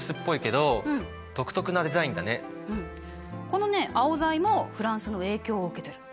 このねアオザイもフランスの影響を受けてる。